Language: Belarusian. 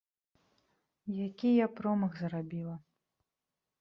Які я промах зрабіла!